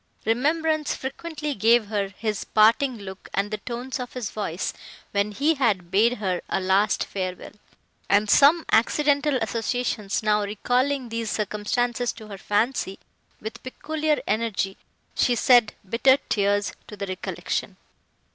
Remembrance frequently gave her his parting look and the tones of his voice, when he had bade her a last farewell; and, some accidental associations now recalling these circumstances to her fancy, with peculiar energy, she shed bitter tears to the recollection.